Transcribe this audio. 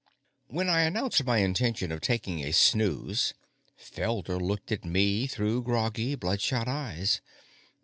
When I announced my intention of taking a snooze, Felder looked at me through groggy, bloodshot eyes.